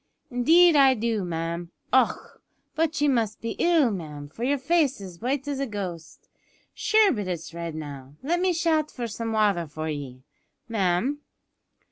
"Indeed I do, ma'am. Och! but ye must be ill, ma'am, for yer face is as white as a ghost. Shure but it's red now. Let me shout for some wather for ye, ma'am."